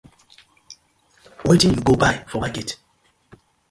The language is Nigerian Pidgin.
Wetin yu go bai for market.